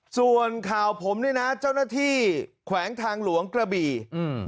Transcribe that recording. ส่วนข่าวผมเนี่ยนะเจ้าหน้าที่แขวงทางหลวงกระบี่อืม